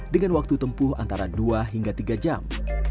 dengan waktu tempuh antara dua hingga tiga jam